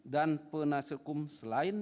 dan penasihat hukum selain